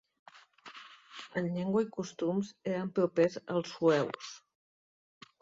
En llengua i costums eren propers als sueus.